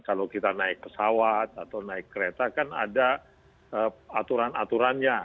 kalau kita naik pesawat atau naik kereta kan ada aturan aturannya